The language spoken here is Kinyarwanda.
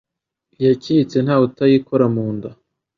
Iyakitse ntawe utayikora mu nda